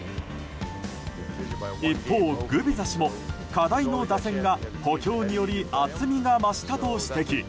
一方、グビザ氏も課題の打線は補強により厚みが増したと指摘。